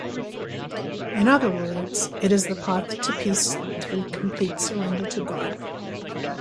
In other words, it is the path to peace through complete surrender to God.